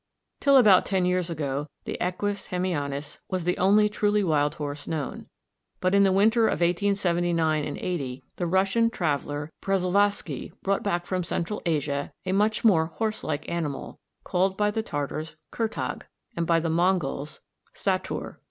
"] Till about ten years ago the Equus hemionus was the only truly wild horse known, but in the winter of 1879 80 the Russian traveller Przevalsky brought back from Central Asia a much more horse like animal, called by the Tartars "Kertag" and by the Mongols "Statur."